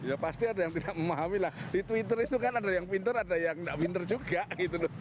ya pasti ada yang tidak memahami lah di twitter itu kan ada yang pinter ada yang nggak pinter juga gitu loh